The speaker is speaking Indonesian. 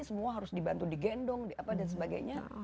semua harus dibantu di gendong dan sebagainya